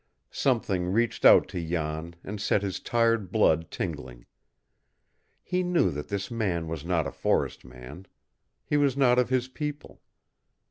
Something reached out to Jan and set his tired blood tingling. He knew that this man was not a forest man. He was not of his people.